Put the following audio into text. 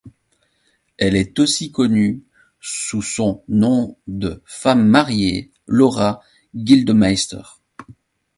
Elle est aussi connue sous son nom de femme mariée, Laura Gildemeister.